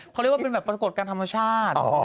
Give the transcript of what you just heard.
เขาเรียกว่าเป็นประสบกรณ์การธรรมชาติ